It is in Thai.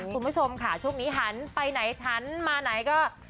คุณผู้ชมค่ะช่วงนี้หันไปไหนทันมาไหนก็